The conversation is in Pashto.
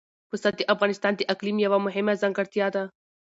پسه د افغانستان د اقلیم یوه مهمه ځانګړتیا ده.